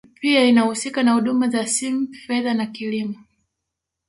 Pia inahusika na huduma za simu fedha na kilimo